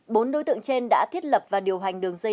bốn đối tượng trên đã thiết lập và điều hành đường dây